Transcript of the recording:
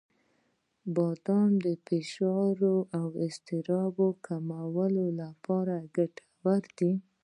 • بادام د فشار او اضطراب کمولو لپاره ګټور دي.